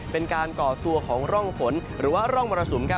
เป็นการก่อตัวของร่องฝนหรือว่าร่องบรสุม